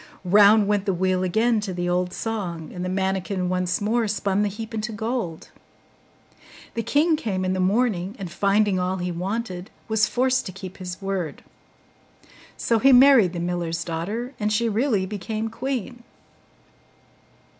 Round went the wheel again to the old song, and the manikin once more spun the heap into gold. The king came in the morning, and, finding all he wanted, was forced to keep his word; so he married the miller's daughter, and she really became queen.